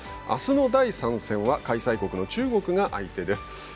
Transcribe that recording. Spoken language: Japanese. あすの第３戦は開催国の中国が相手です。